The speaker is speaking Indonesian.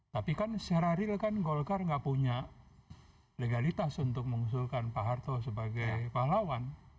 tapi kan secara real kan golkar nggak punya legalitas untuk mengusulkan pak harto sebagai pahlawan